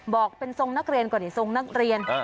บอกเป็นทรงนักเรียนก่อนดิทรงนักเรียน